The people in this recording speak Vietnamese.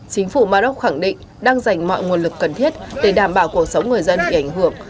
chính phủ maroc khẳng định đang dành mọi nguồn lực cần thiết để đảm bảo cuộc sống người dân bị ảnh hưởng